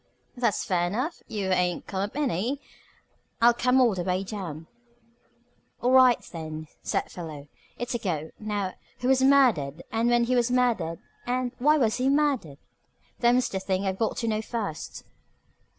That's fair enough. You ain't come up any. I come all the way down." "All right, then," said Philo. "It's a go. Now, who was murdered, and when was he murdered, and why was he murdered? Them's the things I've got to know first."